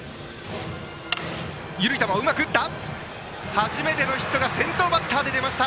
初めてのヒットが先頭バッターで出ました。